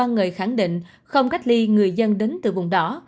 ba người khẳng định không cách ly người dân đến từ vùng đỏ